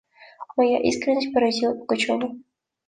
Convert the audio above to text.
Моя искренность поразила Пугачева.